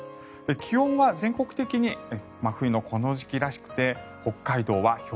気温は全国的に真冬のこの時期らしくてそして